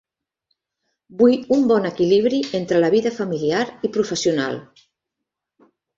Vull un bon equilibri entre la vida familiar i professional.